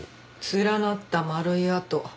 連なった丸い痕。